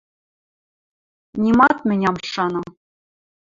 Нимат мӹнь ам шаны!